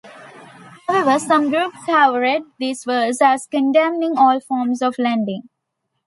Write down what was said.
However, some groups have read this verse as condemning all forms of lending.